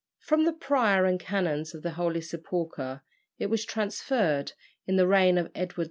From the Prior and Canons of the Holy Sepulchre it was transferred, in the reign of Edward II.